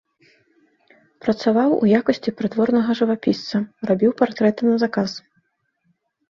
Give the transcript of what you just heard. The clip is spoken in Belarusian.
Працаваў у якасці прыдворнага жывапісца, рабіў партрэты на заказ.